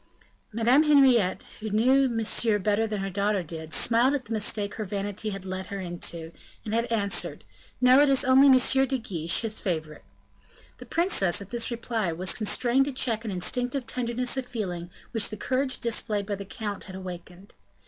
Madame Henriette, who knew Monsieur better than her daughter did, smiled at the mistake her vanity had led her into, and had answered, "No; it is only M. de Guiche, his favorite." The princess, at this reply, was constrained to check an instinctive tenderness of feeling which the courage displayed by the count had awakened.